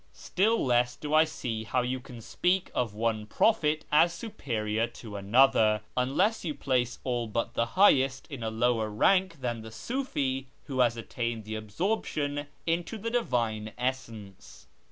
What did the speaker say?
Still less do I see how you can speak of one prophet as superior to another, unless you place all but the highest in a lower rank than the Sufi who has attained to absorption into the Divine Essence."